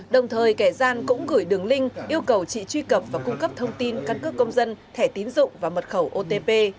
đồng thời kẻ gian cũng gửi đường link yêu cầu chị truy cập và cung cấp thông tin căn cước công dân thẻ tín dụng và mật khẩu otp